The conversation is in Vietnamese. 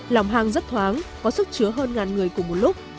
lòng hang rất thoáng có sức chứa hơn ngàn người cùng một lúc